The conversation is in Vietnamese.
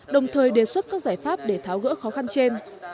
đồng thời đề xuất các giải pháp để tháo gỡ khó khăn trên